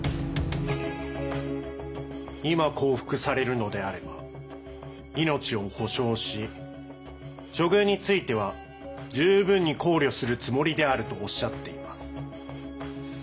今降伏されるのであれば命を保証し処遇については十分に考慮するつもりであるとおっしゃっています。